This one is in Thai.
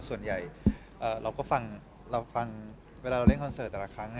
ตอนที่เราเล่นคอนเสิร์ตแต่ละครั้ง